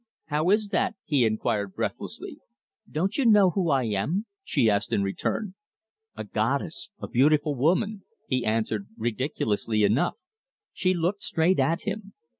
"How is that?" he inquired breathlessly. "Don't you know who I am?" she asked in return. "A goddess, a beautiful woman!" he answered ridiculously enough. She looked straight at him.